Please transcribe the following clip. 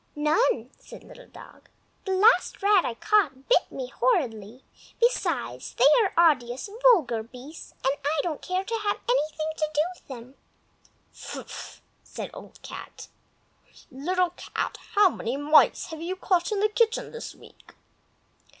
"None!" said Little Dog. "The last rat I caught bit me horridly; besides, they are odious, vulgar beasts, and I don't care to have anything to do with them." "Fffff!" said Old Cat. "Little Cat, how many mice have you caught in the kitchen this week?"